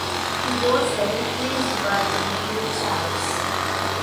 He was replaced by Leo Chaves.